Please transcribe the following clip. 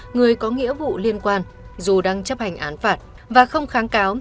người có nghĩa vụ liên quan dù đang chấp hành án phạt và không kháng cáo